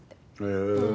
へえ。